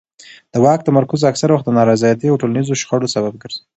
د واک تمرکز اکثره وخت د نارضایتۍ او ټولنیزو شخړو سبب ګرځي